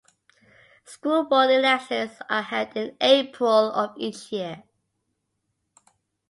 School Board elections are held in April of each year.